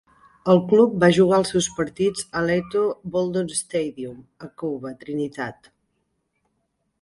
El club va jugar els seus partits a l'Ato Boldon Stadium, a Couva, Trinitat.